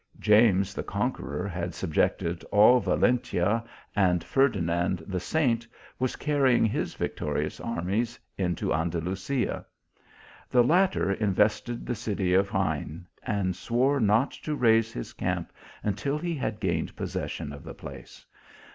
James the Conqueror had subjected all Valentia, and Ferdinand the Saint was carrying his victorious armies into Andalusia. The latter invested the city of Jaen, and swore not to raise his camp until he had gained possession of the place.